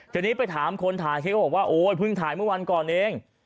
ทีนี้ไปถามคนถ่ายคลิปก็บอกว่าโอ๊ยเพิ่งถ่ายเมื่อวันก่อนเอง